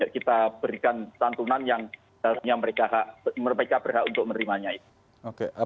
kita berikan tantunan yang mereka berhak untuk menerimanya